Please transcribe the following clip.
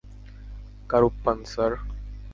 Karuppan, sir.